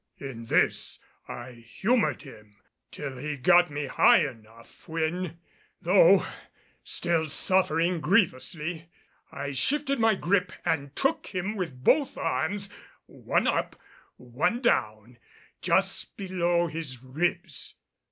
In this I humored him till he got me high enough when, though still suffering grievously, I shifted my gripe and took him with both arms, one up one down, just below his ribs.